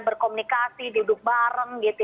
berkomunikasi duduk bareng